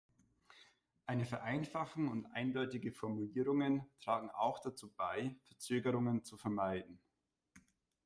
Eine Vereinfachung und eindeutige Formulierungen tragen auch dazu bei, Verzögerungen zu vermeiden.